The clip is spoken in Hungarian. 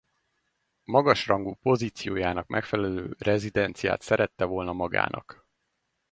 Magas rangú pozíciójának megfelelő rezidenciát szerette volna magának.